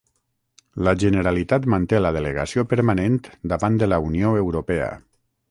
La Generalitat manté la delegació permanent davant de la Unió Europea.